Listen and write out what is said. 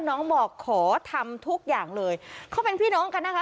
น้องบอกขอทำทุกอย่างเลยเขาเป็นพี่น้องกันนะคะ